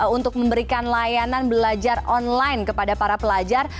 untuk memberikan layanan belajar online kepada para pelajar